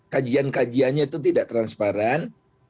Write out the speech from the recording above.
kajian kajiannya itu tidak transparan